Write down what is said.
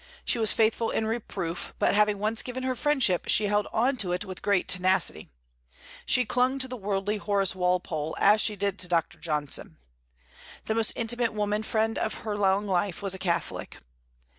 She was faithful in reproof, but having once given her friendship she held on to it with great tenacity; she clung to the worldly Horace Walpole as she did to Dr. Johnson. The most intimate woman friend of her long life was a Catholic.